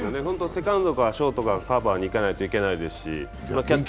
セカンドかショートがカバーに行かないといけないし。